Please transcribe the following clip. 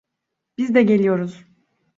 Biz de geliyoruz.